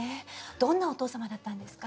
どんなお父様だったんですか？